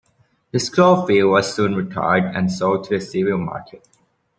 The Schofield was soon retired and sold to the civil market.